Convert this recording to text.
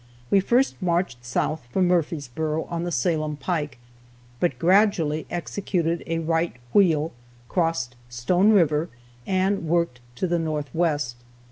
We first marched south from Murfreesboro, on the Salem pike, but gradually executed a right wheel, crossed Stone river, and worked to the northwest.